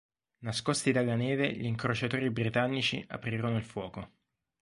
Nascosti dalla neve, gli incrociatori britannici aprirono il fuoco.